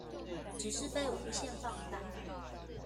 只是被無限放大